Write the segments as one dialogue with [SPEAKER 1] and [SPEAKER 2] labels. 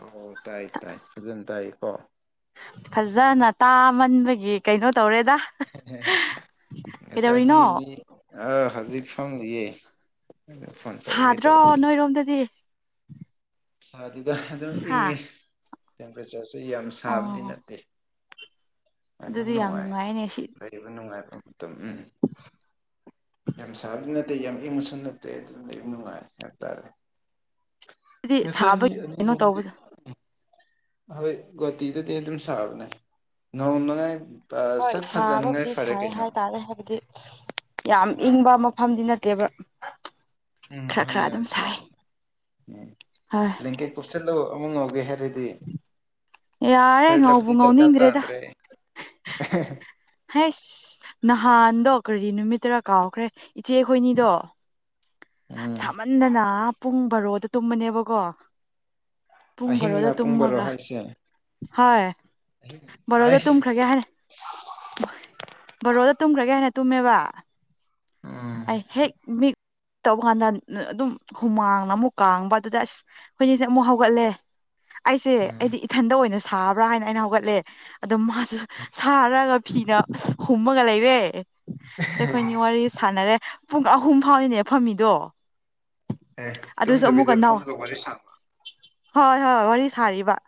[SPEAKER 1] ꯑꯣ ꯇꯥꯏ ꯇꯥꯏ ꯐꯖꯅꯥ ꯇꯥꯏ ꯀꯣ
[SPEAKER 2] ꯐꯖꯅ ꯇꯥꯃꯟꯕꯒꯤ ꯀꯩꯅꯣ ꯇꯧꯔꯦꯗ
[SPEAKER 1] ꯉꯁꯥꯏꯗꯤ
[SPEAKER 2] ꯀꯩꯗꯧꯔꯤꯅꯣ
[SPEAKER 1] ꯃꯤ ꯑꯥ ꯍꯧꯖꯤꯛ ꯐꯝꯂꯤꯌꯦ ꯐꯣꯟ ꯇꯧꯒꯦ
[SPEAKER 2] ꯁꯥꯗ꯭ꯔꯣ
[SPEAKER 1] ꯇꯧꯔꯒꯦ
[SPEAKER 2] ꯅꯣꯏꯔꯣꯝꯗꯗꯤ
[SPEAKER 1] ꯁꯥꯗꯦꯗ ꯑꯗꯨꯝ
[SPEAKER 2] ꯍꯥ
[SPEAKER 1] ꯏꯪꯉꯤ ꯇꯦꯝꯄꯔꯦꯆꯔꯁꯦ ꯌꯥꯝ ꯁꯥꯕꯗꯤ
[SPEAKER 2] ꯑꯣ
[SPEAKER 1] ꯅꯠꯇꯦ ꯑꯗꯨꯝ
[SPEAKER 2] ꯑꯗꯨꯗꯤ ꯌꯥꯝ
[SPEAKER 1] ꯅꯨꯡꯉꯥꯏ
[SPEAKER 2] ꯅꯨꯡꯉꯥꯏꯅꯦ
[SPEAKER 1] ꯂꯩꯕ ꯅꯨꯡꯉꯥꯏꯕꯝ [unintelligible] ꯌꯥꯝ ꯁꯥꯕꯗꯤ ꯅꯠ ꯅꯠꯇꯦ ꯌꯥꯝ ꯏꯪꯕꯁꯨ ꯅꯠꯇꯦ ꯑꯗꯨꯝ ꯂꯩꯕꯥ ꯅꯨꯡꯉꯥꯏ ꯍꯥꯏꯕꯇꯥꯥꯔꯦ
[SPEAKER 2] ꯑꯗꯨꯗꯤ ꯁꯥꯕꯒꯤ
[SPEAKER 1] ꯑꯅꯤ
[SPEAKER 2] ꯀꯩꯅꯣ
[SPEAKER 1] ꯑꯍꯨꯝꯗꯤ
[SPEAKER 2] ꯇꯧꯕꯁ‌ꯦ
[SPEAKER 1] ꯍꯣꯏ ꯒꯨꯋꯥꯇꯤꯗꯗꯤ ꯑꯗꯨꯝ ꯁꯥꯕꯅꯦ ꯉꯧꯅꯤꯉꯥꯏ
[SPEAKER 2] ꯍꯣꯏ ꯁꯥꯕꯕꯨꯗꯤ ꯁꯥꯏ ꯍꯥꯏꯇꯥꯔꯦ ꯍꯥꯏꯕꯗꯤ ꯌꯥꯝ ꯏꯪꯕ ꯃꯐꯝꯗꯤ ꯅꯠꯇꯦꯕ
[SPEAKER 1] ꯎꯝ
[SPEAKER 2] ꯈꯔ
[SPEAKER 1] ꯍꫭꯏ
[SPEAKER 2] ꯈꯔ
[SPEAKER 1] ꯌꯥꯝ ꯁꯥꯕꯅꯦ ꯎꯝ
[SPEAKER 2] ꯍꯥ
[SPEAKER 1] ꯖꯦꯀꯦꯠ ꯀꯨꯞꯁꯤꯜꯂꯨ ꯑꯃꯨꯛ ꯉꯧꯒꯦ ꯍꯥꯏꯔꯗꯤ
[SPEAKER 2] ꯌꯥꯔꯦ
[SPEAKER 1] ꯐꯤꯌꯔ
[SPEAKER 2] ꯉꯧꯕ
[SPEAKER 1] ꯂꯥꯞꯂꯤ ꯗꯔꯀꯥꯔ
[SPEAKER 2] ꯉꯧꯅꯤꯡꯗ꯭ꯔꯦꯗ
[SPEAKER 1] ꯇꯥꯗ꯭ꯔꯦ
[SPEAKER 2] ꯍꯦ ꯅꯍꯥꯟꯗꯣ ꯀꯔꯤ ꯅꯨꯃꯤꯠꯇꯔꯥ ꯀꯥꯎꯈ꯭ꯔꯦ ꯏꯆꯦ ꯈꯣꯏꯅꯤꯗꯣ
[SPEAKER 1] ꯎꯝ
[SPEAKER 2] ꯁꯥꯃꯟꯗꯅ ꯄꯨꯡ ꯕꯔꯣꯗ ꯇꯨꯝꯕꯅꯦꯕꯀꯣ ꯄꯨꯡ ꯕꯥꯔꯣꯗ
[SPEAKER 1] ꯑꯍꯤꯡꯅ ꯄꯨꯡ ꯕꯥꯔꯣ
[SPEAKER 2] ꯇꯨꯝꯃꯒ
[SPEAKER 1] ꯍꯥꯏꯁꯦ
[SPEAKER 2] ꯍꯣꯏ ꯕꯥꯔꯣꯗ
[SPEAKER 1] ꯑꯩꯁ
[SPEAKER 2] ꯇꯨꯝꯈ꯭ꯔꯒꯦ ꯍꯥꯏꯅ ꯕꯥꯔꯣꯗ ꯇꯨꯝꯈ꯭ꯔꯒꯦ ꯍꯥꯏꯅ ꯇꯨꯝꯃꯦꯕ
[SPEAKER 1] ꯎꯝ
[SPEAKER 2] ꯑꯩ ꯍꯦꯛ ꯃꯤꯠ ꯇꯧꯕ ꯀꯥꯟꯗ ꯑꯗꯨꯝ ꯍꯨꯃꯥꯡꯅ ꯑꯃꯨꯛ ꯀꯥꯡꯕ ꯑꯗꯨꯗ ꯑꯁ ꯑꯩꯈꯣꯏꯅꯤꯁꯦ ꯑꯃꯨꯛ ꯍꯧꯒꯠꯂꯦ ꯑꯩꯁꯦ
[SPEAKER 1] ꯎꯝ
[SPEAKER 2] ꯑꯩꯗꯤ ꯏꯊꯟꯗ ꯑꯣꯏꯅ ꯁꯥꯕ꯭ꯔꯥ ꯍꯥꯏꯅ ꯑꯩꯅ ꯍꯧꯒꯠꯂꯦ ꯑꯗꯣ ꯃꯥꯁꯨ ꯁꯥꯔꯒ ꯐꯤꯅ ꯍꯨꯝꯃꯒ ꯂꯩꯔꯦ ꯑꯩꯈꯣꯏꯅꯤ ꯋꯥꯔꯤ ꯁꯥꯟꯅꯔꯦ ꯄꯨꯡ ꯑꯍꯨꯝ ꯐꯥꯎꯅꯤꯅꯦ ꯐꯝꯃꯤꯗꯣ
[SPEAKER 1] ꯑꯦ
[SPEAKER 2] ꯑꯗꯨꯁꯨ ꯑꯃꯨꯛꯀ
[SPEAKER 1] ꯇꯨꯝꯗꯕꯤꯗ
[SPEAKER 2] ꯅꯧ
[SPEAKER 1] ꯐꯝꯃꯒ ꯋꯥꯔꯤ ꯁꯥꯕ
[SPEAKER 2] ꯍꯣꯏ ꯍꯣꯏ ꯋꯥꯔꯤ ꯁꯥꯔꯤꯕ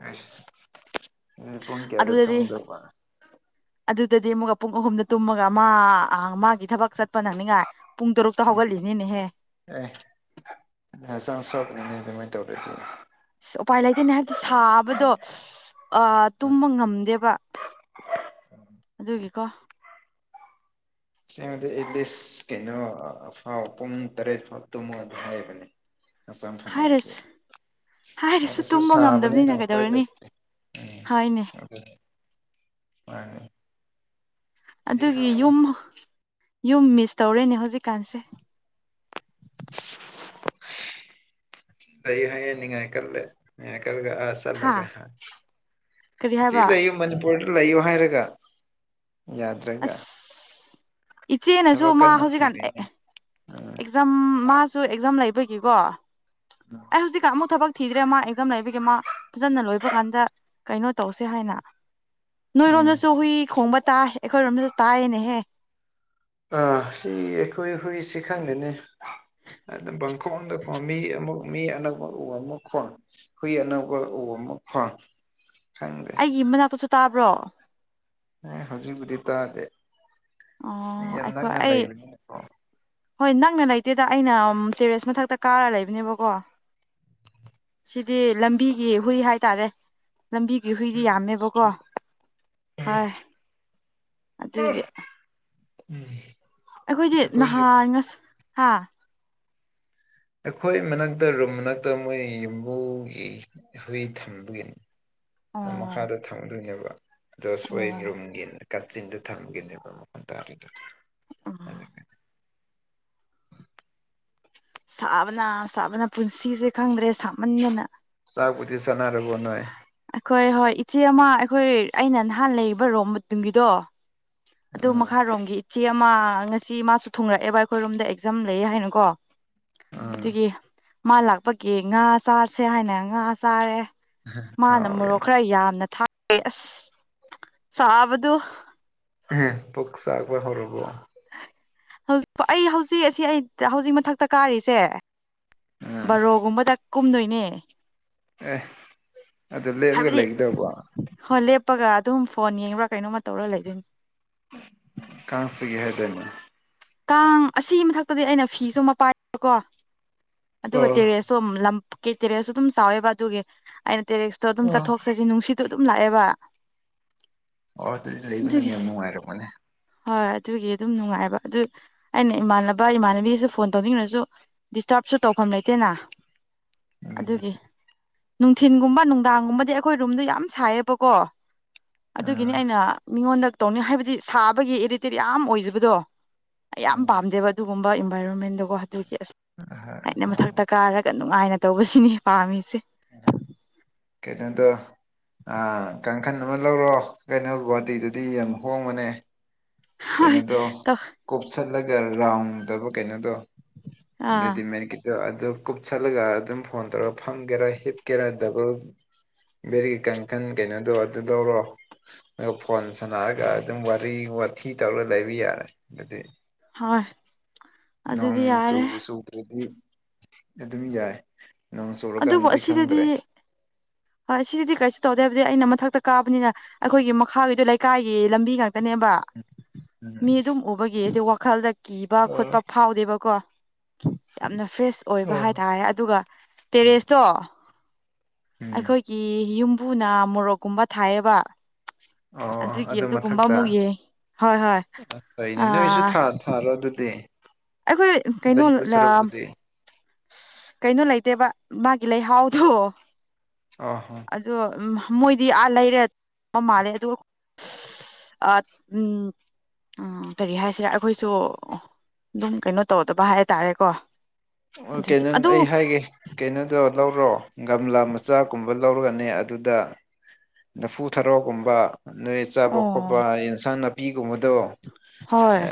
[SPEAKER 1] ꯑꯩꯁ ꯅꯣꯏ ꯄꯨꯡ ꯀꯌꯥꯗ
[SPEAKER 2] ꯑꯗꯨꯗꯗꯤ
[SPEAKER 1] ꯇꯨꯝꯒꯗꯧꯕ
[SPEAKER 2] ꯑꯗꯨꯗꯗꯤ ꯑꯃꯨꯛꯀ ꯄꯨꯡ ꯑꯍꯨꯝꯗ ꯇꯨꯝꯃꯒ ꯃꯥ ꯑ ꯃꯥꯒꯤ ꯊꯕꯛ ꯆꯠ ꯅꯪꯅꯤꯉꯥꯏ ꯄꯨꯡ ꯇꯔꯨꯛꯇ
[SPEAKER 1] ꯎꯝ
[SPEAKER 2] ꯍꯧꯒꯠꯂꯤꯅꯤꯅꯦꯍꯦ
[SPEAKER 1] ꯑꯦ ꯍꯛꯆꯥꯡ ꯁꯣꯛꯀꯅꯤꯅꯦ ꯑꯗꯨꯃꯥꯏ ꯇꯧꯔꯗꯤ
[SPEAKER 2] ꯎꯄꯥꯏ ꯂꯩꯇꯦꯅꯦ ꯍꯥꯏꯕꯗꯤ ꯁꯥꯕꯗꯣ ꯑ ꯇꯨꯝꯕ ꯉꯝꯗꯦꯕ ꯑꯗꯨꯒꯤꯀꯣ
[SPEAKER 1] ꯑꯁꯦꯡꯕꯗꯤ ꯑꯦꯠ ꯂꯤꯁ ꯀꯩꯅꯣ ꯑꯥ ꯑꯥ ꯐꯥꯎ ꯄꯨꯡ ꯇꯔꯦꯠ ꯐꯥꯎ ꯇꯨꯝꯃꯣ ꯑꯗꯨꯝ ꯍꯥꯢꯕꯅꯦ ꯍꯥꯛꯆꯥꯡ ꯐꯥꯅꯤꯡꯉꯗꯤ
[SPEAKER 2] ꯍꯥꯏꯔꯁꯨ ꯍꯥꯏꯔꯁꯨ ꯇꯨꯝꯕ ꯉꯝꯗꯕꯅꯤꯅ
[SPEAKER 1] ꯎꯄꯥꯏ
[SPEAKER 2] ꯀꯩꯗꯧꯔꯨꯅꯤ
[SPEAKER 1] ꯂꯩꯇꯦ ꯎꯝ
[SPEAKER 2] ꯍꯣꯢꯅꯦ
[SPEAKER 1] ꯃꯥꯅꯦ
[SPEAKER 2] ꯑꯗꯨꯒꯤ ꯌꯨꯝ ꯌꯨꯝ ꯃꯤꯁ ꯇꯧꯔꯦꯅꯦ ꯍꯧꯖꯤꯛꯀꯥꯟꯁꯦ
[SPEAKER 1] [unintelligible] ꯍꯥꯏꯌꯦ ꯅꯤꯡꯉꯥꯏ ꯀꯜꯂꯦ ꯅꯤꯡꯉꯥꯏ ꯀꯜꯂꯦ ꯑꯁ
[SPEAKER 2] ꯍꯥ
[SPEAKER 1] ꯆꯠꯂꯒ ꯍ
[SPEAKER 2] ꯀꯔꯤ ꯍꯥꯏꯕ
[SPEAKER 1] [unintelligible] [unintelligible] ꯃꯅꯤꯄꯨꯔꯗ ꯂꯩꯌꯣ ꯍꯥꯏꯔꯒ ꯌꯥꯗ꯭ꯔꯒ
[SPEAKER 2] ꯑꯁ ꯏꯆꯦꯅꯁꯨ
[SPEAKER 1] ꯊꯕꯛ
[SPEAKER 2] ꯃꯥ
[SPEAKER 1] ꯀꯟꯅ
[SPEAKER 2] ꯍꯧꯖꯤꯛꯀꯥꯟ
[SPEAKER 1] ꯊꯤꯔꯦꯅꯦ ꯎꯝ
[SPEAKER 2] ꯔꯝ ꯃꯥꯁꯨ ꯑꯦꯛꯖꯥꯝ ꯂꯩꯕꯒꯤꯀꯣ
[SPEAKER 1] ꯅꯥ [inaudible]
[SPEAKER 2] ꯍꯨꯖꯤꯛꯀꯥꯟ ꯑꯃꯨꯛ ꯊꯕꯛ ꯊꯤꯗ꯭ꯔꯦ ꯃꯥ ꯑꯦꯛꯖꯝ ꯂꯩꯕꯒꯤ ꯃꯥ ꯐꯖꯅ ꯂꯣꯏꯕ ꯀꯥꯟꯗ ꯀꯩꯅꯣ ꯇꯧꯁꯦ ꯍꯥꯏꯅ
[SPEAKER 1] ꯎꯝ
[SPEAKER 2] ꯅꯣꯏꯔꯣꯝꯗꯁꯨ ꯍꯨꯏ ꯈꯣꯡꯕ ꯇꯥꯏ ꯑꯩꯈꯣꯏꯔꯣꯝꯗꯁꯨ ꯇꯥꯏꯌꯦꯅꯦꯍꯦ
[SPEAKER 1] ꯑꯥ ꯁꯤ ꯑꯩꯈꯣꯏ ꯍꯨꯏꯁꯤ ꯈꯪꯗꯦꯅꯦ ꯑꯗꯨꯝ ꯄꯪꯈꯣꯡꯗ ꯈꯣꯡ ꯃꯤ ꯑꯃꯨꯛ ꯃꯤ ꯑꯅꯛꯄ ꯎꯝ ꯑꯃꯨꯛ ꯈꯣꯡ ꯍꯨꯏ ꯑꯅꯧꯕ ꯎ ꯑꯃꯨꯛ ꯈꯣꯡ ꯈꯪꯗꯦ
[SPEAKER 2] ꯏ ꯃꯅꯥꯛꯇꯁꯨ ꯇꯥꯕ꯭ꯔꯣ
[SPEAKER 1] ꯑꯦ ꯍꯧꯖꯤꯛꯕꯨꯗꯤ ꯇꯥꯗꯦ
[SPEAKER 2] ꯑꯣ
[SPEAKER 1] ꯁꯤꯗꯤ ꯌꯥꯝ
[SPEAKER 2] ꯑꯩꯈꯣꯏ
[SPEAKER 1] ꯅꯛꯅ
[SPEAKER 2] ꯑꯩ
[SPEAKER 1] ꯂꯩꯕꯅꯤꯅꯀꯣ
[SPEAKER 2] ꯍꯣꯏ ꯅꯛꯅ ꯂꯩꯇꯦꯗ ꯑꯩꯅ ꯇꯦꯔꯦꯁ ꯃꯊꯛꯇ ꯀꯥꯔ ꯂꯩꯕꯅꯦꯕꯀꯣ ꯁꯤꯗꯤ ꯂꯝꯕꯤꯒꯤ ꯍꯨꯏ ꯍꯥꯏꯇꯥꯔꯦ ꯂꯝꯕꯤꯒꯤ ꯍꯨꯏꯗꯤ
[SPEAKER 1] ꯏꯁꯇ꯭ꯔꯤꯠ
[SPEAKER 2] ꯌꯥꯝꯃꯦꯕꯀꯣ
[SPEAKER 1] ꯏꯁꯇ꯭ꯔꯤꯠ
[SPEAKER 2] ꯍꯣꯏ
[SPEAKER 1] [unintelligible]
[SPEAKER 2] ꯑꯗꯨꯒꯤ
[SPEAKER 1] ꯎꯝ
[SPEAKER 2] ꯑꯩꯈꯣꯏꯗꯤ
[SPEAKER 1] ꯑꯩꯈꯣꯏ
[SPEAKER 2] ꯅꯍꯥꯟ ꯉꯁ ꯍꯥ
[SPEAKER 1] ꯑꯩꯈꯣꯏ ꯃꯅꯥꯛꯇ ꯔꯨꯝ ꯃꯅꯥꯛꯇ ꯃꯣꯏ ꯌꯨꯝꯕꯨꯒꯤ ꯍꯨꯏ ꯊꯝꯕꯒꯤꯅꯤ ꯅ
[SPEAKER 2] ꯑꯣ
[SPEAKER 1] ꯃꯈꯥꯗ ꯊꯝꯗꯣꯏꯅꯦꯕ ꯑꯗꯨ ꯁ꯭ꯋꯥꯏ
[SPEAKER 2] ꯑꯣ
[SPEAKER 1] ꯔꯨꯝꯒꯤ ꯀꯥꯆꯤꯟꯗ ꯊꯝꯕꯒꯤꯅꯦꯕ ꯃꯈꯣꯟ ꯇꯥꯗꯔꯤꯗꯣ
[SPEAKER 2] ꯎꯝ
[SPEAKER 1] ꯑꯗꯨꯒ
[SPEAKER 2] ꯁꯥꯕꯅ ꯁꯥꯕꯅ ꯄꯨꯟꯁꯤꯁꯦ ꯈꯪꯗ꯭ꯔꯦ ꯁꯥꯃꯟꯗꯅ
[SPEAKER 1] ꯆꯥꯛꯄꯨꯗꯤ ꯆꯥꯅꯔꯕꯣ ꯅꯣꯏ
[SPEAKER 2] ꯑꯩꯈꯣꯏ ꯍꯣꯏ ꯏꯆꯦ ꯑꯃ ꯑꯩꯈꯣꯏ ꯑꯩꯅ ꯅꯍꯥꯟ ꯂꯩꯔꯤꯕ ꯔꯣꯝ ꯃꯇꯨꯡꯒꯤꯗꯣ ꯑꯗꯨ
[SPEAKER 1] ꯎꯝ
[SPEAKER 2] ꯃꯈꯥꯔꯣꯝꯒꯤ ꯏꯆꯦ ꯑꯃ ꯉꯁꯤ ꯃꯥꯁꯨ ꯊꯨꯡꯔꯛꯑꯦꯕ ꯑꯩꯈꯣꯏꯔꯣꯝꯗ ꯑꯦꯛꯖꯥꯝ ꯂꯩꯌꯦ ꯍꯥꯏꯅꯀꯣ
[SPEAKER 1] ꯎꯝ
[SPEAKER 2] ꯑꯗꯨꯒꯤ ꯃꯥ ꯂꯥꯛꯄꯒꯤ ꯉꯥ ꯆꯥꯁꯦ ꯍꯥꯏꯅ ꯉꯥ ꯆꯥꯔꯦ ꯃꯥꯅ ꯃꯣꯔꯣꯛ
[SPEAKER 1] ꯍꯥꯎꯔꯦꯅꯦ
[SPEAKER 2] ꯈꯔ ꯌꯥꯝꯅ ꯊꯥꯛꯄꯚꯤ ꯑꯁ ꯆꯥꯕꯗꯨ
[SPEAKER 1] [unintelligible] ꯄꯨꯛ ꯆꯥꯛꯄ ꯍꯧꯔꯕꯣ
[SPEAKER 2] [unintelligible] ꯑꯩ ꯍꯧꯖꯤꯛ ꯑꯁꯤ ꯑꯩ ꯍꯧꯖꯤꯛ ꯃꯊꯛꯇ ꯀꯥꯔꯤꯁꯦ
[SPEAKER 1] ꯎꯝ
[SPEAKER 2] ꯕꯔꯣꯒꯨꯝꯕꯗ ꯀꯨꯝꯗꯣꯏꯅꯦ
[SPEAKER 1] ꯑꯦ ꯑꯗꯨ ꯂꯦꯞꯂꯒ ꯂꯩꯒꯗꯧꯕ
[SPEAKER 2] ꯍꯣ ꯂꯦꯞꯄꯒ ꯑꯗꯨꯝ ꯐꯣꯟ ꯌꯦꯡꯕ꯭ꯔꯥ ꯀꯩꯅꯣꯝꯃ ꯇꯧꯔ ꯂꯩꯗꯣꯏꯅꯤ
[SPEAKER 1] ꯀꯥꯡꯆꯤꯛꯏ ꯍꯥꯏꯗꯥꯅꯦ
[SPEAKER 2] ꯀꯥꯡ ꯑꯁꯤꯒꯤ ꯃꯊꯛꯇꯗꯤ ꯑꯩꯅ ꯐꯤꯁꯨ ꯑꯃꯄꯥꯏꯕꯀꯣ ꯑꯗꯨꯒ
[SPEAKER 1] ꯑꯣ
[SPEAKER 2] ꯇꯦꯔꯦꯁ ꯁꯨꯝ ꯂꯝ ꯀꯤ ꯇꯦꯔꯦꯁꯁꯨ ꯑꯗꯨꯝ ꯆꯥꯎꯋꯤꯕ ꯑꯗꯨꯒꯤ ꯑꯩꯅ ꯇꯦꯔꯦꯁꯇꯣ ꯑꯗꯨꯝ
[SPEAKER 1] ꯑꯣ
[SPEAKER 2] ꯆꯠꯊꯣꯛ ꯑꯁꯤ ꯅꯨꯡꯁꯤꯠꯇꯣ ꯑꯗꯨꯝ ꯂꯥꯛꯑꯦꯕ
[SPEAKER 1] ꯑꯣ ꯑꯗꯨꯗꯤ ꯂꯩꯕꯅꯪ
[SPEAKER 2] ꯑꯗꯨꯒꯤ
[SPEAKER 1] ꯌꯥꯝ ꯅꯨꯡꯉꯥꯏꯔꯃꯅꯦ
[SPEAKER 2] ꯍꯣꯏ ꯑꯗꯨꯒꯤ ꯑꯗꯨꯝ ꯅꯨꯡꯉꯥꯏꯕ ꯑꯗꯨ ꯑꯩꯅ ꯏꯃꯥꯟꯅꯕ ꯏꯃꯥꯟꯅꯕꯤꯁꯨ ꯐꯣꯟ ꯇꯧꯅꯤꯡꯂꯁꯨ ꯗꯤꯁꯇꯔꯕꯁꯨ ꯇꯧꯐꯝ ꯂꯩꯇꯦꯅ
[SPEAKER 1] ꯎꯝ
[SPEAKER 2] ꯑꯗꯨꯒꯤ ꯅꯨꯡꯊꯤꯟꯒꯨꯝꯕ ꯅꯨꯡꯗꯥꯡꯒꯨꯝꯕꯗꯤ ꯑꯩꯈꯣꯏ ꯔꯨꯝꯗꯣ ꯌꯥꯝ ꯁꯥꯏꯌꯦꯕꯀꯣ ꯑꯗꯨꯒꯤꯅꯤ
[SPEAKER 1] ꯑꯥ
[SPEAKER 2] ꯑꯩꯅ ꯃꯤꯉꯣꯟꯗ ꯇꯧꯅꯤ ꯍꯥꯏꯕꯗꯤ ꯁꯥꯕꯒꯤ ꯑꯦꯔꯤꯇꯦꯠ ꯌꯥꯝ ꯑꯣꯏꯖꯕꯗꯣ ꯌꯥꯝ
[SPEAKER 1] ꯎꯝ
[SPEAKER 2] ꯄꯥꯝꯗꯦꯕ ꯑꯗꯨꯒꯨꯝꯕ ꯏꯟꯚꯥꯏꯔꯣꯟꯃꯦꯟꯗꯨꯒꯣ ꯑꯗꯨꯒꯤ ꯑꯁ ꯑꯩꯅ ꯃꯊꯛꯇ ꯀꯥꯔꯒ ꯅꯨꯡꯉꯥꯏꯅ ꯇꯧꯕꯁꯤꯅꯤ ꯄꯥꯝꯃꯤꯁꯤ
[SPEAKER 1] ꯀꯩꯅꯣꯗꯨ ꯑ ꯀꯥꯡꯈꯟ ꯑꯃ ꯂꯧꯔꯣ ꯀꯩꯅꯣ ꯒꯨꯍꯥꯇꯤꯗꯗꯤ ꯌꯥꯝ ꯍꯣꯡꯕꯅꯦ
[SPEAKER 2] ꯍꯣꯏ
[SPEAKER 1] ꯀꯩꯅꯣꯗꯣ ꯀꯨꯞꯞꯁꯠꯂꯒ ꯔꯥꯎꯟꯇꯧꯕ ꯀꯩꯅꯣꯗꯣ
[SPEAKER 2] ꯑꯥ
[SPEAKER 1] ꯔꯦꯗꯤꯃꯦꯠꯀꯤ ꯑ ꯑꯗꯨ ꯀꯨꯞꯁꯜꯂꯒ ꯑꯗꯨꯝ ꯐꯣꯟ ꯇꯧꯔꯒ ꯐꯝꯒꯦꯔꯥ ꯍꯤꯞꯀꯦꯔꯥ ꯗꯕꯜ ꯕꯦꫪꯤ ꯀꯥꯡꯈꯟ ꯀꯩꯅꯣꯗꯣ ꯑꯗꯨꯗꯣ ꯂꯧꫪꯣ ꯑꯗꯨꯒ ꯐꯣꯟ ꯁꯥꯟꯅꯔꯒ ꯑꯗꯨꯝ ꯋꯥꯔꯤ ꯋꯥꯊꯤ ꯇꯧꯔꯒ ꯂꯩꯕ ꯌꯥꯔꯦ ꯑꯗꯨꯗꯤ
[SPEAKER 2] ꯍꯣꯏ
[SPEAKER 1] ꯅꯣꯡ
[SPEAKER 2] ꯑꯗꯨꯗꯤ ꯌꯥꯔꯦ
[SPEAKER 1] ꯆꯨꯕꯨ ꯆꯨꯗꫪꯗꯤ ꯑꯗꯨꯝ ꯌꯥꯏ ꯅꯣꯡ ꯆꯨꯔꯀꯥꯟꯗꯗꯤ ꯈꯪꯗ꯭ꯔꯦ
[SPEAKER 2] ꯑ ꯑꯁꯤꯗꯗꯤ ꯀꯔꯤꯁꯨ ꯇꯧꯗꯦ ꯍꯥꯏꯕꯗꯤ ꯑꯩꯅ ꯃꯊꯛꯇ ꯀꯥꯕꯅꯤꯅ ꯑꯩꯈꯣꯏꯒꯤ ꯃꯈꯥꯒꯤꯗꯨ ꯂꯩꯀꯥꯏꯒꯤ ꯂꯝꯕꯤ ꯉꯥꯛꯇꯅꯦꯕ
[SPEAKER 1] ꯎꯝ
[SPEAKER 2] ꯃꯤ ꯑꯗꯨꯝ ꯎꯕꯒꯤ ꯑꯩꯗꯨ ꯋꯥꯈꯜꯗ ꯀꯤꯕ ꯈꯣꯠꯄ ꯍꯥꯎꯗꯦꯕꯀꯣ ꯌꯥꯝꯅ ꯐ꯭ꯔꯦꯁ ꯑꯣꯏꯕ
[SPEAKER 1] ꯎꯝ
[SPEAKER 2] ꯍꯥꯏꯇꯥꯔꯦ ꯑꯗꯨꯒ ꯇꯦꯔꯦꯁꯇꯣ
[SPEAKER 1] ꯎꯝ
[SPEAKER 2] ꯑꯩꯈꯣꯏꯒꯤ ꯌꯨꯝ ꯏꯄꯨꯅ ꯃꯣꯔꯣꯛꯀꯨꯝꯕ ꯊꯥꯏꯌꯦꯕ
[SPEAKER 1] ꯑꯣ
[SPEAKER 2] ꯑꯗꯨꯒꯤ
[SPEAKER 1] ꯑꯗꯨ
[SPEAKER 2] ꯑꯗꯨꯒꯨꯝꯕ
[SPEAKER 1] ꯃꯊꯛꯇ
[SPEAKER 2] ꯑꯃꯨꯛ ꯌꯦꯡ ꯍꯣꯏ ꯍꯣꯏ
[SPEAKER 1] ꯐꯩꯅꯦ
[SPEAKER 2] ꯑ
[SPEAKER 1] ꯅꯣꯏꯁꯨ ꯊꯥ ꯊꯥꯔꯣ ꯑꯗꯨꯗꯤ
[SPEAKER 2] ꯑꯩꯈꯣꯏ ꯀꯩꯅꯣ
[SPEAKER 1] ꯂꯩꯕ ꯁꯔꯨꯛꯄꯨꯗꯤ
[SPEAKER 2] ꯀꯩꯅꯣ ꯂꯩꯇꯦꯕ ꯃꯥꯒꯤ ꯂꯩꯍꯥꯎꯗꯣ
[SPEAKER 1] ꯑꯣ ꯍꯣ
[SPEAKER 2] ꯑꯗꯣ ꯃꯣꯏꯗꯤ ꯑꯥ ꯂꯩꯔꯠ ꯃꯥꯜꯂꯦ ꯑꯗꯨ ꯑ ꯎꯝ ꯀꯔꯤ ꯍꯥꯏꯁꯤꯔꯥ ꯑꯩꯈꯣꯏꯁꯨ ꯑꯗꯨꯝ ꯀꯩꯅꯣ ꯇꯧꯗꯕ ꯍꯥꯏꯇꯥꯔꯦꯀꯣ
[SPEAKER 1] ꯑꯣ
[SPEAKER 2] ꯑꯗꯨꯒꯤ
[SPEAKER 1] ꯀꯦꯅꯟ
[SPEAKER 2] ꯑꯗꯨ
[SPEAKER 1] ꯑꯩ ꯍꯥꯏꯒꯦ ꯀꯩꯅꯣꯗꯣ ꯂꯧꯔꯣ ꯒꯝꯂꯥ ꯃꯆꯥꯒꯨꯝꯕ ꯂꯧꯔꯒꯅꯦ ꯑꯗꯨꯗ ꯂꯐꯨ ꯊꯔꯣꯒꯨꯝꯕ ꯅꯣꯏ ꯆꯥꯕ
[SPEAKER 2] ꯑꯣ
[SPEAKER 1] ꯈꯣꯠꯄ ꯌꯦꯟꯁꯥꯡ ꯅꯥꯄꯤꯒꯨꯝꯕꯗꯣ
[SPEAKER 2] ꯍꯣꯏ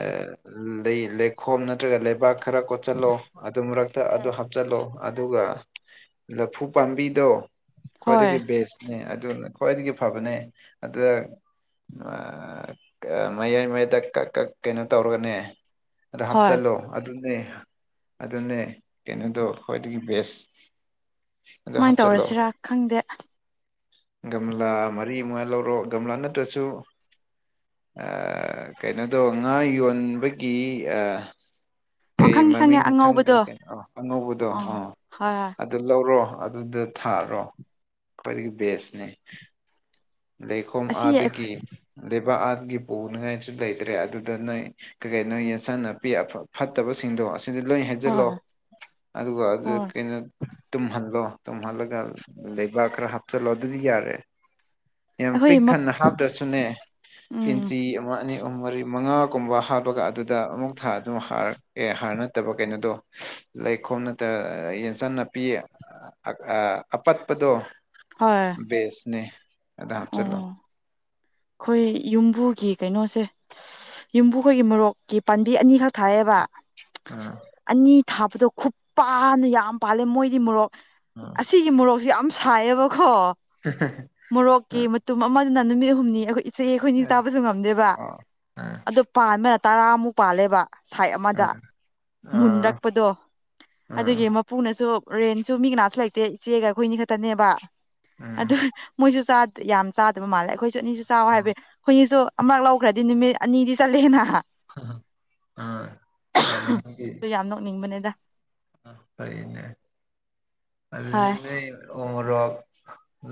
[SPEAKER 1] ꯂꯩ ꯂꯩꯈꯣꯝ ꯅꯠꯇ꯭ꯔꯒ ꯂꯩꯕꯥꯛ ꯈꯔ ꯀꯣꯆꯟ ꯑꯗꯨ ꯃꯔꯛꯇ ꯑꯗꯨ ꯍꯥꯞꯆꯤꯜꯂꯣ ꯑꯗꯨꯒ ꯂꯐꯨ ꯄꯥꯝꯕꯤꯗꯣ
[SPEAKER 2] ꯍꯣꯏ
[SPEAKER 1] ꯈ꯭ꯋꯥꯏꯗꯒꯤ ꯕꯦꯁꯅꯦ ꯑꯗꯨꯅ ꯈ꯭ꯋꯥꯏꯗꯒꯤ ꯐꯕꯅꯦ ꯑꯗꯨꯗ ꯃꯌꯥꯏ ꯃꯌꯥꯏꯗ ꯀꯛ ꯀꯛ ꯀꯩꯅꯣ ꯇꯧꯔꯒꯅꯦ ꯑꯗꯣ
[SPEAKER 2] ꯍꯣꯏ
[SPEAKER 1] ꯍꯥꯞꯆꯤꯜꯂꯣ ꯑꯗꯨꯅꯦ ꯑꯗꯨꯅꯦ ꯀꯩꯅꯣꯗꯣ ꯈ꯭ꯋꯥꯏꯗꯒꯤ ꯕꯦꯁ ꯑꯗ
[SPEAKER 2] ꯀꯃꯥꯏꯅ
[SPEAKER 1] ꯍꯞꯆꯜꯂꯣ
[SPEAKER 2] ꯇꯧꯔꯁꯤꯔꯥ ꯈꯪꯗꯦ
[SPEAKER 1] ꯒꯝꯂꯥ ꯃꯔꯤ ꯃꯉꯥ ꯂꯧꯔꯣ ꯒꯝꯂꯥ ꯅꯠꯇ꯭ꯔꯁꯨ ꯑ ꯀꯩꯅꯣꯗꯣ ꯉꯥ ꯌꯣꯟꯕꯒꯤ ꯑ
[SPEAKER 2] ꯑꯣ
[SPEAKER 1] ꯀꯩ
[SPEAKER 2] ꯈꯪꯉꯦ ꯈꯪꯉꯦ
[SPEAKER 1] ꯃꯃꯤꯡ ꯈꯪꯗ꯭ꯔꯦ
[SPEAKER 2] ꯑꯉꯧꯕꯗꯣ
[SPEAKER 1] ꯑ ꯑꯉꯧꯕꯗꯣ
[SPEAKER 2] ꯑꯥ
[SPEAKER 1] ꯑ
[SPEAKER 2] ꯍꯣꯏ ꯍꯣꯏ
[SPEAKER 1] ꯑꯠ ꯑꯗꯨ ꯂꯧꯔꯣ ꯑꯗꯨꯗ ꯊꯥꯔꯣ ꯈ꯭ꯋꯥꯏꯗꯒꯤ ꯕꯦꯁꯅꯦ ꯂꯩꯈꯣꯝ
[SPEAKER 2] ꯑꯁꯤ
[SPEAKER 1] ꯑꯥꯗꯒꯤ ꯂꯩꯕꯥꯛ ꯑꯥꯗꯒꯤ ꯄꯨꯅꯤꯡꯉꯥꯏꯁꯨ ꯂꯩꯇ꯭ꯔꯦ ꯑꯗꯨꯗ ꯅꯣꯏ ꯀꯔꯤ ꯅꯣꯏ ꯌꯦꯟꯁꯥꯡ ꯅꯥꯄꯤ ꯑꯐ ꯐꯠꯇꯕꯁꯤꯡꯗꯣ ꯑꯁꯤꯗ ꯂꯣꯏ ꯍꯦꯟ ꯖꯜꯂꯣ
[SPEAKER 2] ꯍꯣꯏ
[SPEAKER 1] ꯑꯗꯨꯒ ꯑꯗꯨ
[SPEAKER 2] ꯍꯣꯏ
[SPEAKER 1] ꯀꯩꯅꯣ ꯇꯨꯝꯍꯜꯂꯣ ꯇꯨꯝꯍꯜꯂꯒ ꯂꯩꯕꯥꯛ ꯈꯔ ꯍꯥꯞꯆꯜꯂꯣ ꯑꯗꯨꯗꯤ ꯌꯥꯔꯦ ꯌꯥꯝ ꯄꯤꯛ
[SPEAKER 2] ꯑꯩꯈꯣꯏ
[SPEAKER 1] ꯊꯟꯅ ꯍꯥꯞꯇ꯭ꯔꯁꯨꯅꯦ
[SPEAKER 2] ꯎꯝ
[SPEAKER 1] ꯏꯟꯆꯤ ꯑꯃ ꯑꯅꯤ ꯑꯍꯨꯝ ꯃꯔꯤ ꯃꯉꯥꯒꯨꯝꯕ ꯍꯥꯞꯂꯒ ꯑꯗꯨꯗ ꯑꯃꯨꯛ ꯊꯥ ꯑꯗꯨꯝ ꯍꯥꯔ ꯑꯦ ꯍꯥꯔ ꯅꯠꯇꯕ ꯀꯩꯅꯣꯗꯣ ꯂꯩꯈꯣꯝ ꯅꯠꯇ ꯌꯦꯟꯁꯥꯡ ꯅꯥꯄꯤ ꯑ ꯑꯄꯠꯄꯗꯣ
[SPEAKER 2] ꯍꯣꯏ
[SPEAKER 1] ꯕꯦꯁꯅꯦ ꯑꯗ ꯍꯥꯞꯆꯜꯂꯣ
[SPEAKER 2] ꯈꯣꯏ ꯌꯨꯝꯕꯨꯒꯤ ꯀꯩꯅꯣꯁꯦ ꯌꯨꯝꯕꯨꯈꯣꯏꯒꯤ ꯃꯣꯔꯣꯛꯀꯤ ꯄꯥꯝꯕꯤ ꯑꯅꯤꯈꯛ ꯊꯥꯏꯌꯦꯕ
[SPEAKER 1] ꯑꯥ
[SPEAKER 2] ꯑꯅꯤ ꯊꯥꯕꯗꯣ ꯈꯨꯄꯟ ꯌꯥꯝ ꯄꯥꯜꯂꯦ ꯃꯣꯏꯗꯤ ꯃꯣꯔꯣꯛ
[SPEAKER 1] ꯑꯥ
[SPEAKER 2] ꯑꯁꯤꯒꯤ ꯃꯣꯔꯣꯛꯁꯦ ꯌꯥꯝ ꯁꯥꯏꯌꯦꯕꯀꯣ ꯃꯣꯔꯣꯛꯀꯤ ꯃꯠ ꯇꯨꯝ ꯑꯃꯗꯨꯅ ꯅꯨꯃꯤꯠ ꯍꯨꯝꯅꯤ ꯑꯈꯣꯏ ꯏꯆꯦ ꯑꯩꯈꯣꯏꯅꯤ ꯆꯥꯕꯁꯨ ꯉꯝꯗꯦꯕ
[SPEAKER 1] ꯑꯥ
[SPEAKER 2] ꯑꯗꯨ ꯄꯥꯟꯕꯅ ꯇꯔꯥꯃꯨꯛ ꯄꯥꯜꯂꯦꯕ ꯁꯥꯏꯠ ꯑꯃꯗ
[SPEAKER 1] ꯑꯥ
[SPEAKER 2] ꯃꯨꯟꯔꯛꯄꯗꯣ ꯑꯗꯨꯒꯤ ꯃꯞ ꯄꯨꯅꯁꯨ ꯔꯦꯟꯁꯨ ꯃꯤ ꯀꯅꯥꯁꯨ ꯂꯩꯇꯦ ꯏꯆꯦꯒ ꯑꯩꯈꯣꯏꯅꯤ ꯈꯛꯇꯅꯦꯕ ꯑꯗꯨ
[SPEAKER 1] ꯎꯝ
[SPEAKER 2] ꯃꯣꯏꯖꯨ ꯆꯥꯠ ꯌꯥꯝ ꯆꯥꯗꯕ ꯃꯥꯜꯂꯦ ꯑꯈꯣꯏꯁꯨ ꯑꯅꯤꯁꯨ ꯆꯥꯎ ꯍꯥꯏꯕꯩ ꯍꯨꯏꯖꯨ ꯑꯃꯛ ꯂꯧꯈ꯭ꯔꯗꯤ ꯅꯨꯃꯤꯠ ꯑꯅꯤꯗꯤ ꯆꯠꯂꯦꯅ
[SPEAKER 1] ꯑ ꯑ ꯏꯁꯇꯥꯞ ꯑꯅꯤꯒꯤ
[SPEAKER 2] ꯌꯥꯝ ꯅꯣꯛꯅꯤꯡꯕꯅꯦꯗ
[SPEAKER 1] ꯐꯩꯅꯦ ꯑꯗꯨꯗꯤ
[SPEAKER 2] ꯍꯣꯏ
[SPEAKER 1] ꯅꯣꯏ ꯎ ꯃꯣꯔꯣꯛ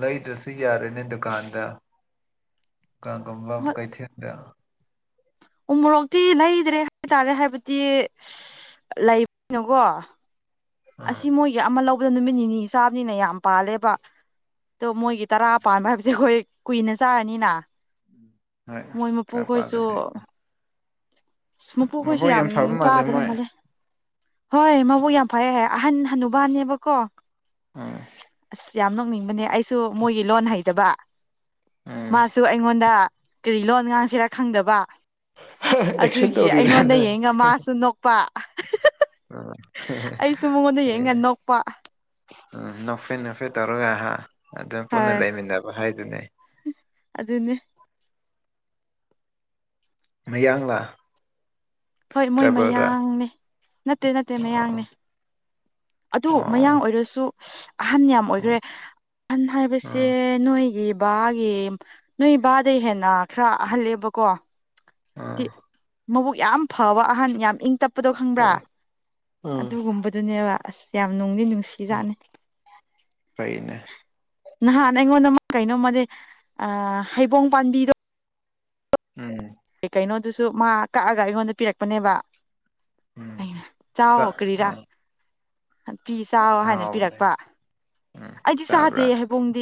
[SPEAKER 1] ꯂꯩꯗ꯭ꯔꯁꯨ ꯌꯥꯔꯦꯅꯦ ꯗꯨꯀꯥꯟꯗ ꯀꯟꯒꯨꯝꯕ ꯀꯩꯊꯦꯜꯗ
[SPEAKER 2] ꯎ ꯃꯣꯔꯣꯛꯇꯤ ꯂꯩꯗ꯭ꯔꯦ ꯍꯥꯏꯇꯥꯔꯦ ꯍꯥꯏꯕꯗꯤ ꯂꯩꯕꯅꯤꯅꯀꯣ
[SPEAKER 1] ꯑꯥ
[SPEAKER 2] ꯑꯁꯤ ꯃꯣꯏꯒꯤ ꯑꯃ ꯂꯧꯕꯗ ꯅꯨꯃꯤꯠ ꯅꯤꯅꯤ ꯆꯥꯕꯅꯤꯅ ꯌꯥꯝ ꯄꯥꯜꯂꯦꯕ ꯑꯗꯣ ꯃꯣꯏꯒꯤ ꯇꯔꯥ ꯄꯥꯟꯕ ꯍꯥꯏꯕꯁꯦ ꯑꯈꯣꯏ ꯀꯨꯏꯅ ꯆꯥꯔꯅꯤꯅ
[SPEAKER 1] ꯍꯣꯏ
[SPEAKER 2] ꯃꯣꯏ ꯃꯄꯨꯈꯣꯏꯁꯨ
[SPEAKER 1] ꯇꯔꯥꯄꯥꯜꯗꯗꯤ
[SPEAKER 2] ꯏꯁ ꯃꯄꯨꯈꯣꯏꯁꯨ
[SPEAKER 1] ꯃꯕꯣꯛ
[SPEAKER 2] ꯌꯥꯝ
[SPEAKER 1] ꯐꯕ ꯃꯥꯜꯂꯦ
[SPEAKER 2] ꯆꯥꯗꯕ
[SPEAKER 1] ꯃꯣꯏ
[SPEAKER 2] ꯃꯜꯂꯦ ꯍꯣꯏ ꯃꯕꯨꯛ ꯌꯥꯝ ꯐꯩꯌꯦ ꯑꯍꯟ ꯍꯅꯨꯕꯥꯅꯦꯕꯀꯣ
[SPEAKER 1] ꯎꯝ
[SPEAKER 2] ꯑꯁ ꯌꯥꯝ ꯅꯣꯛꯅꯤꯡꯕꯅꯦ ꯑꯩꯁꯨ ꯃꯣꯏꯒꯤ ꯂꯣꯟ ꯍꯩꯇꯕ
[SPEAKER 1] ꯎꯝ
[SPEAKER 2] ꯃꯥꯁꯨ ꯑꯩꯉꯣꯟꯗ ꯀꯔꯤ ꯂꯣꯟ ꯉꯥꯡꯁꯤꯔꯥ ꯈꯪꯗꯕ
[SPEAKER 1] ꯑꯦꯛꯁꯟ
[SPEAKER 2] ꯑꯗꯨꯒꯤ
[SPEAKER 1] ꯇꯧꯔꯤꯔ
[SPEAKER 2] ꯑꯩꯉꯣꯟꯗ
[SPEAKER 1] ꯅꯣꯏ
[SPEAKER 2] ꯌꯦꯡꯉ ꯃꯥꯁꯨ ꯅꯣꯛꯄ ꯑꯩꯁꯨ ꯃꯉꯣꯟꯗ ꯌꯦꯡ ꯉ
[SPEAKER 1] ꯐꯩꯅꯦ
[SPEAKER 2] ꯅꯣꯛꯄ
[SPEAKER 1] ꯎꯝ ꯅꯣꯛꯐꯦꯠ ꯅꯣꯛꯐꯦꯠ ꯇꯧꯔꯒ ꯑꯍꯥ ꯑꯗꯨꯝ ꯄꯨꯟꯅ ꯂꯩꯃꯤꯟꯅꯕ ꯍꯥꯏꯗꯨꯅꯦ
[SPEAKER 2] ꯍꯨꯡ ꯑꯗꯨꯅꯦ
[SPEAKER 1] ꯃꯌꯥꯡꯂꯥ
[SPEAKER 2] ꯍꯣꯏ ꯃꯣꯏ
[SPEAKER 1] ꯇ꯭ꯔꯥꯏꯕꯦꯜꯔꯥ
[SPEAKER 2] ꯃꯌꯥꯡꯅꯦ ꯅꯠꯇꯦ ꯅꯠꯇꯦ
[SPEAKER 1] ꯑꯣ
[SPEAKER 2] ꯃꯌꯥꯡꯅꯦ ꯑꯗꯨ
[SPEAKER 1] ꯑꯣ
[SPEAKER 2] ꯃꯌꯥꯡ ꯑꯣꯏꯔꯁꯨ ꯑꯍꯟ ꯌꯥꯝ ꯑꯣꯏꯒ꯭ꯔꯦ ꯑꯍꯟ ꯍꯥꯏꯕꯁꯦ
[SPEAKER 1] ꯑꯣ
[SPEAKER 2] ꯅꯣꯏꯒꯤ ꯕꯥꯒꯤ ꯅꯣꯏ ꯕꯥꯗꯩ ꯍꯦꯟꯅ ꯈꯔ ꯑꯍꯜꯂꯦꯕꯀꯣ
[SPEAKER 1] ꯑꯣ
[SPEAKER 2] ꯇꯤ ꯃꯕꯨꯛ ꯌꯥꯝ ꯐꯕ ꯑꯍꯟ ꯌꯥꯝ ꯏꯪ ꯇꯞꯄꯗꯣ ꯈꯪꯕ꯭ꯔꯥ
[SPEAKER 1] ꯑꯣ ꯑ
[SPEAKER 2] ꯑꯗꯨ ꯒꯨꯝꯕꯗꯨꯅꯦꯕ ꯑꯁ ꯌꯥꯝ ꯅꯨꯡꯗꯤ ꯅꯨꯡꯁꯤ
[SPEAKER 1] ꯑꯣ ꯐꯩꯅꯦ
[SPEAKER 2] ꯅꯍꯥꯟ ꯑꯩꯉꯣꯟꯗ ꯃꯥ ꯀꯩꯅꯣꯝꯃꯗꯤ ꯑꯥ ꯍꯩꯕꯣꯡ ꯄꯥꯟꯕꯤꯗꯣ
[SPEAKER 1] ꯎꯝ
[SPEAKER 2] ꯑꯦ ꯀꯩꯅꯣꯗꯨꯁꯨ ꯃꯥ ꯀꯛꯑꯒ ꯑꯩꯉꯣꯟꯗ ꯄꯤꯔꯛꯄꯅꯦꯕ
[SPEAKER 1] ꯎꯝ
[SPEAKER 2] ꯑꯩꯅ ꯆꯥꯎ
[SPEAKER 1] ꯆꯥꯛ
[SPEAKER 2] ꯀꯔꯤꯔꯥ
[SPEAKER 1] ꯎꯝ
[SPEAKER 2] ꯐꯤ ꯆꯥꯎ ꯍꯥꯏꯅ
[SPEAKER 1] ꯍꯥꯎꯕꯅꯦ
[SPEAKER 2] ꯄꯤꯔꯛꯄ
[SPEAKER 1] ꯎꯝ
[SPEAKER 2] ꯑꯩꯗꯤ ꯆꯥꯗꯦ
[SPEAKER 1] ꯆꯥꯕ꯭ꯔꯥ
[SPEAKER 2] ꯍꯩꯕꯣꯡꯗꯤ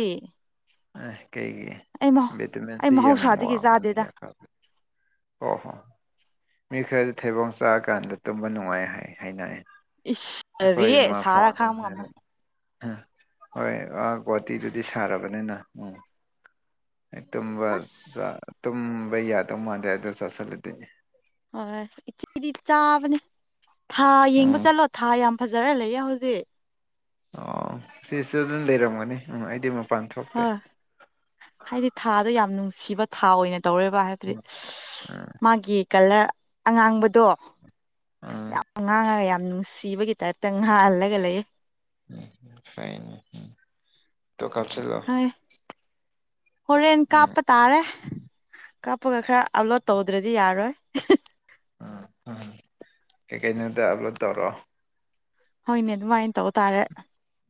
[SPEAKER 1] ꯑꯦ ꯀꯩꯒꯤ
[SPEAKER 2] ꯑꯩ ꯃꯍꯧ ꯑꯩ
[SPEAKER 1] ꯚꯤꯇꯥꯃꯤꯟꯁꯤ ꯌꯥꯝ
[SPEAKER 2] ꯃꯍꯧꯁꯥꯗꯒꯤ ꯆꯥꯗꯦꯗ
[SPEAKER 1] ꯋꯥꯡꯕꯅꯤ ꯍꯣ ꯍꯣ ꯃꯤ ꯈꯔꯗꯤ ꯊꯩꯕꯣꯡ ꯆꯥꯀꯥꯟꯗ ꯇꯨꯝꯕ ꯅꯨꯡꯉꯥꯏ ꯍꯥꯏ ꯍꯥꯏꯅꯦ ꯑꯩꯈꯣꯏ
[SPEAKER 2] ꯏꯁꯔꯤꯌꯦ
[SPEAKER 1] ꯏꯃꯥꯐꯥꯎ
[SPEAKER 2] ꯁꯥꯔ
[SPEAKER 1] ꯑꯗꯨꯝ
[SPEAKER 2] ꯈꯥꯡꯕ ꯉꯝꯃꯣꯏ
[SPEAKER 1] ꯍꯥꯏꯕꯅꯦ ꯑꯥ ꯍꯣꯏ ꯑꯥ ꯒꯨꯋꯥꯇꯤꯗꯨꯗꯤ ꯁꯥꯔꯕꯅꯤꯅ ꯎꯝ ꯑꯩ ꯇꯨꯝꯕ ꯆꯥ
[SPEAKER 2] ꯑꯁ
[SPEAKER 1] ꯇꯨꯝꯕ ꯌꯥꯗꯧ ꯃꯥꯟꯗꯦ ꯑꯗꯨ ꯆꯥꯁꯤꯜꯂꯗꯤ
[SPEAKER 2] ꯍꯣꯏ ꯏꯆꯦꯗꯤ ꯆꯥꯕꯅꯦ ꯊꯥ ꯌꯦꯡꯕ
[SPEAKER 1] ꯎꯝ
[SPEAKER 2] ꯆꯠꯂꯣ ꯊꯥ ꯌꯥꯝ ꯐꯖꯔ ꯂꯩꯌꯦ ꯍꯧꯖꯤꯛ
[SPEAKER 1] ꯑꯣ ꯁꯤꯁꯨ ꯑꯗꯨꯝ ꯂꯩꯔꯝꯒꯅꯤ ꯎꯝ ꯑꯩꯗꯤ ꯃꯐ
[SPEAKER 2] ꯍꯣꯏ ꯍꯥꯏꯗꯤ ꯊꯥꯗꯣ ꯌꯥꯝ ꯅꯨꯡꯁꯤꯕ ꯊꯥ ꯑꯣꯏꯅ ꯇꯧꯔꯦꯕ ꯍꯥꯏꯕꯗꯤ
[SPEAKER 1] ꯎꯝ ꯎꯝ
[SPEAKER 2] ꯃꯥꯒꯤ ꯀꯂꯔ ꯑꯉꯥꯡꯕꯗꯣ
[SPEAKER 1] ꯎꯝ
[SPEAKER 2] ꯌꯥꯝꯉꯥꯡꯉꯒ ꯌꯥꯝ ꯅꯨꯡꯁꯤꯕꯒꯤ ꯇꯥꯏꯞꯇ ꯉꯥꯍꯜꯂꯒ ꯂꯩꯌꯦ
[SPEAKER 1] ꯎꯝ ꯐꯩꯅꯦ ꯎꯝ ꯇꯣ ꯀꯞꯁꯜꯂꯛ
[SPEAKER 2] ꯍꯥꯏ ꯍꯣꯔꯦꯟ
[SPEAKER 1] ꯎꯝ
[SPEAKER 2] ꯀꯥꯞꯄꯠ__ ꯇꯥꯔꯦ ꯀꯥꯞꯄꯒ ꯈꯔ ꯑꯞꯂꯣꯗ ꯇꯧꯗ꯭ꯔꯗꯤ ꯌꯥꯔꯣꯏ
[SPEAKER 1] ꯑꯥ ꯑꯥ ꯀꯩꯀꯩꯅꯣꯗ ꯑꯞꯂꯣꯗ ꯇꯧꯔꯛꯑꯣ
[SPEAKER 2] ꯍꯣꯏꯅꯦ ꯑꯗꯨꯃꯥꯏꯅ ꯇꯧ ꯇꯥꯔꯦ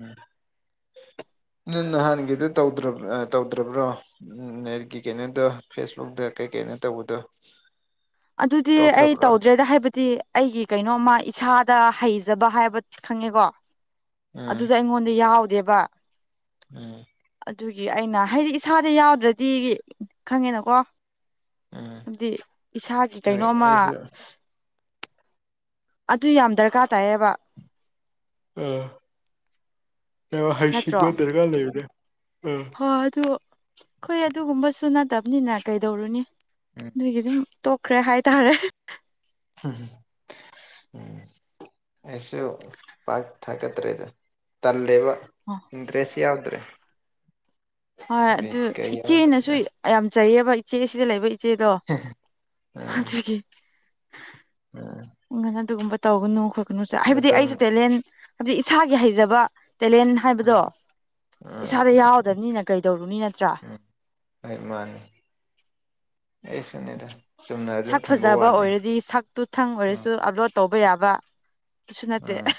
[SPEAKER 1] ꯎꯝ ꯅꯪ ꯅꯍꯥꯟꯒꯤꯗꯨ ꯇꯧꯗ꯭ꯔꯥꯕ ꯑꯥ ꯇꯧꯗ꯭ꯔꯥꯕ꯭ꯔꯣ ꯎꯝ ꯂꯥꯏꯔꯤꯛꯀꯤ ꯀꯩꯅꯣꯗꯣ ꯐꯦꯁꯕꯨꯛꯇ ꯀꯩ ꯀꯩꯅꯣ ꯇꯧꯕꯗꯣ
[SPEAKER 2] ꯑꯗꯨꯗꯤ ꯑꯩ
[SPEAKER 1] ꯇꯣꯛꯈ꯭ꯔꯕ꯭ꯔꯣ
[SPEAKER 2] ꯇꯧꯗ꯭ꯔꯦꯗ ꯍꯥꯏꯕꯗꯤ ꯑꯩꯒꯤ ꯀꯩꯅꯣꯃ ꯏꯁꯥꯗ ꯍꯩꯖꯕ ꯍꯥꯏꯕ ꯈꯪꯉꯦꯀꯣ
[SPEAKER 1] ꯎꯝ
[SPEAKER 2] ꯑꯗꯨꯗ ꯑꯩꯉꯣꯟꯗ ꯌꯥꯎꯗꯦꯕ
[SPEAKER 1] ꯎꯝ
[SPEAKER 2] ꯑꯗꯨꯒꯤ ꯑꯩꯅ ꯍꯥꯏꯗꯤ ꯏꯁꯥꯗ ꯌꯥꯎꯗ꯭ꯔꯗꯤ ꯈꯪꯉꯦꯅꯀꯣ
[SPEAKER 1] ꯎꯝ
[SPEAKER 2] ꯍꯥꯏꯕꯗꯤ ꯏꯁꯥꯒꯤ
[SPEAKER 1] ꯍꯣꯏ
[SPEAKER 2] ꯀꯩꯅꯣꯝꯃ
[SPEAKER 1] ꯑꯩꯁꯨ
[SPEAKER 2] ꯑꯗꯨ ꯌꯥꯝ ꯗꯔꯀꯥꯔ ꯇꯥꯏꯌꯦꯕ
[SPEAKER 1] ꯑꯥ ꯌꯥꯝ ꯍꯩꯁꯤꯛꯕ ꯗꯔꯀꯥꯔ ꯂꯩꯕꯅꯦ ꯑꯥ
[SPEAKER 2] ꯑꯣ ꯑꯗꯨ ꯑꯩꯈꯣꯏ ꯑꯗꯨꯒꯨꯝꯕꯁꯨ ꯅꯠꯇꯕꯅꯤꯅ ꯀꯩꯗꯧꯔꯨꯅꯤ
[SPEAKER 1] ꯎꯝ
[SPEAKER 2] ꯗꯨꯏꯒꯤ ꯗꯨꯝ ꯇꯣꯛꯈ꯭ꯔꯦ ꯍꯥꯏꯇꯥꯔꯦ
[SPEAKER 1] ꯎꯝ ꯎꯝ ꯑꯩꯁꯨ ꯄꯥꯛ ꯊꯀꯠꯇ꯭ꯔꯦꯗ ꯇꯜꯂ‌ꯦꯕ ꯏꯟꯔꯦꯁ ꯌꯥꯎꯗ꯭ꯔꯦ
[SPEAKER 2] ꯍꯣꯏ
[SPEAKER 1] ꯕꯤꯠ
[SPEAKER 2] ꯑꯗꯨ
[SPEAKER 1] ꯀꯩ
[SPEAKER 2] ꯏꯆꯦꯅꯁꯨ
[SPEAKER 1] ꯌꯥꯎꯗ꯭ꯔꯦꯗ
[SPEAKER 2] ꯌꯥꯝ ꯆꯩꯌꯦꯕ ꯏꯆꯦ ꯁꯤꯗ ꯂꯩꯕ ꯏꯆꯦꯗꯣ
[SPEAKER 1] ꯎꯝ
[SPEAKER 2] ꯑꯗꯨꯒꯤ
[SPEAKER 1] ꯎꯝ
[SPEAKER 2] ꯎꯝ ꯑꯗꯨꯒꯨꯝꯕ ꯇꯧꯒꯅꯨ ꯈꯣꯠꯀꯅꯨꯁꯨ ꯍꯥꯏꯕꯗꯤ
[SPEAKER 1] ꯃꯇꯝ
[SPEAKER 2] ꯑꯩꯁꯨ ꯇꯦꯂꯦꯟ ꯍꯥꯏꯕꯗꯤ ꯏꯁꯥꯒꯤ ꯍꯩꯖꯕ ꯇꯦꯂꯦꯟ ꯍꯥꯏꯕꯗꯣ
[SPEAKER 1] ꯎꯝ ꯎꯝ
[SPEAKER 2] ꯏꯁꯥꯗ ꯌꯥꯎꯗꯕꯅꯤꯅ ꯀꯩꯗꯧꯔꯨꯅꯤ ꯅꯠꯇ꯭ꯔꯥ
[SPEAKER 1] ꯍꫭꯏ ꯃꯥꯅꯤ ꯑꯩꯁꯨꯅꯤꯗ
[SPEAKER 2] ꯁꯛ ꯐꯖꯕ ꯑꯣꯏꯔꯗꯤ ꯁꯛꯇꯨ ꯇꯪ
[SPEAKER 1] ꯎꯝ
[SPEAKER 2] ꯑꯣꯏꯔꯁꯨ ꯑꯞꯂꯣꯠ ꯇꯧꯕ ꯌꯥꯕ ꯑꯗꯨꯁꯨ ꯅꯠꯇꯦ
[SPEAKER 1] ꯎꯝ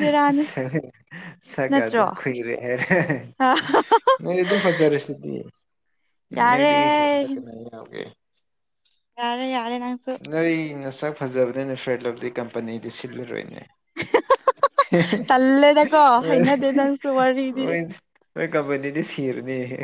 [SPEAKER 2] ꯕꯦꯔꯥꯅꯤ
[SPEAKER 1] ꯁꯛ ꯁꯛ ꯑꯗꯨꯝ ꯈꯨꯨꯏꯔꯛꯑ‌ꯦ
[SPEAKER 2] ꯑ [unintelligible]
[SPEAKER 1] ꯅꯣꯏ ꯑꯗꯨꯝ ꯐꯖꯔꯁꯤꯗꯤ
[SPEAKER 2] ꯌꯥꯔꯦ
[SPEAKER 1] ꯅꯣꯏꯗꯒꯤ ꯍꯦꯟꯕ ꯀꯅꯥ ꯌꯥꯎꯒ‌ꯦ
[SPEAKER 2] ꯌꯥꯔꯦ ꯌꯥꯔꯦ ꯅꯪꯁꯨ
[SPEAKER 1] ꯅꯣꯏ ꯅꯁꯛ ꯐꯖꯕꯅꯤꯅ [unintelligible] ꯐ꯭ꯔꯦꯟꯂꯞꯗꯤ [unintelligible] ꯀꯝꯄꯅꯤꯗꯤ ꯁꯤꯜꯂꯔꯣꯏꯅꯦ
[SPEAKER 2] ꯇꯜꯂꯦꯗꯀꯣ
[SPEAKER 1] ꯑꯣꯏ
[SPEAKER 2] ꯍꯩꯅꯗꯦ ꯅꯪꯁꯨ ꯋꯥꯔꯤꯗꯤ
[SPEAKER 1] ꯑꯣꯏ ꯅꫭꯏ ꯀꯝꯄꯅꯤꯗꯤ ꯁꯤꯔꯅꯤ